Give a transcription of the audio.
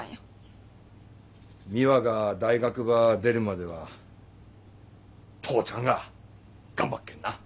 美和が大学ば出るまでは父ちゃんが頑張っけんな。